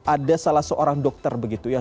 ada salah seorang dokter begitu yang